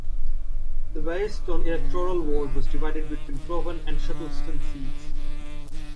The Baillieston electoral ward was divided between Provan and Shettleston seats.